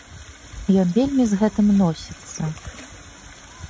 Ён вельмі з гэтым носіцца!